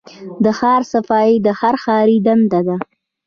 د ښار صفايي د هر ښاري دنده ده.